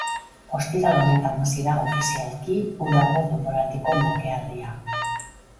Ostiral honetan hasi da ofizialdi udako denboraldiko merkealdia.